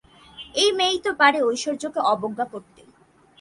এই মেয়েই তো পারে ঐশ্বর্যকে অবজ্ঞা করতে।